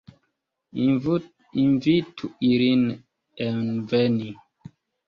Invitu ilin enveni!